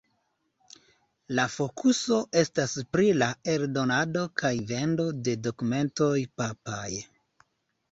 La fokuso estas pri la eldonado kaj vendo de dokumentoj papaj.